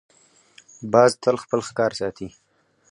باز تل خپل ښکار ساتي